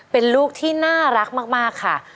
เป็นลูกที่น่ารักมากค่ะ